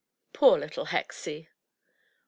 Poor little Hexie!